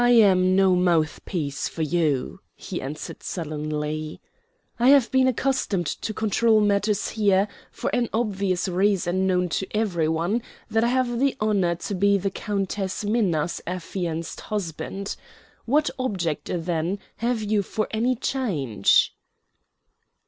"I am no mouthpiece for you," he answered sullenly. "I have been accustomed to control matters here, for an obvious reason known to every one, that I have the honor to be the Countess Minna's affianced husband. What object, then, have you for any change?"